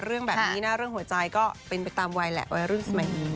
เรื่องแบบนี้นะเรื่องหัวใจก็เป็นไปตามวัยแหละวัยรุ่นสมัยนี้